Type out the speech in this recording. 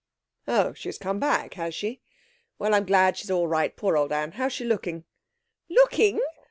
'Oh, she has come back, has she? Well, I'm glad she's all right. Poor old Anne! How is she looking?' 'Looking!'